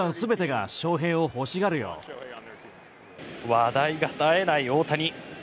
話題が絶えない大谷。